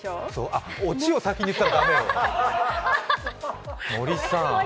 あ、オチを先に言ったら駄目よ、森さーん。